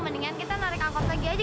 mendingan kita narik angkot lagi aja